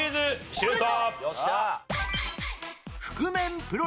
シュート！